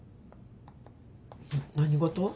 何事？